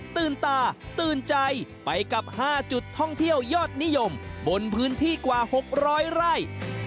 ตื่นตาตื่นใจไปกับ๕จุดท่องเที่ยวยอดนิยมบนพื้นที่กว่า๖๐๐ไร่